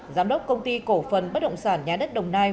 giám đốc công ty cổ phần bất động sản nhà đất đồng nai